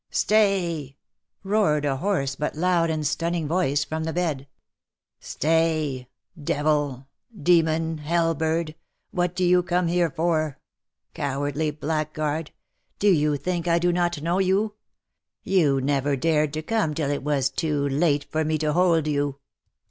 " Stay !" roared a hoarse but loud and stunning voice from the bed. te Stay ! devil ! demon ! hell bird ! what do you come here for ? Cowardly blackguard ! Do you think I do not know you ? You never dared to come till it was too late for me to hold you